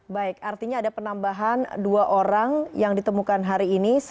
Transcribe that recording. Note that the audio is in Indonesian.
baik artinya ada penambahan dua orang yang ditemukan hari ini